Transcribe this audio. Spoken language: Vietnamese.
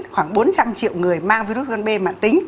khoảng bốn trăm linh triệu người mang virus b và c